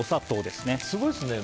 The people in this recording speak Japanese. すごいですね。